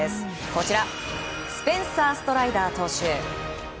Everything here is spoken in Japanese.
こちらスペンサー・ストライダー投手。